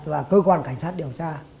và cơ quan cảnh sát điều tra